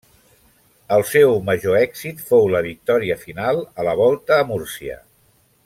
El seu major èxit fou la victòria final a la Volta a Múrcia.